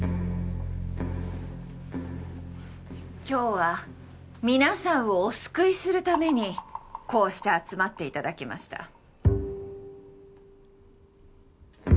今日は皆さんをお救いするためにこうして集まって頂きました。